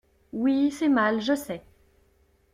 Oui c'est mal je sais.